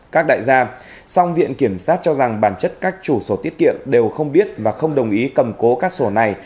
các đại gia song viện kiểm sát cho rằng bản chất các chủ sổ tiết kiệm đều không biết và không đồng ý cầm cố các sổ này